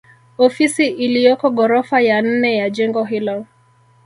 Ofisi iliyoko ghorofa ya nne ya jengo hilo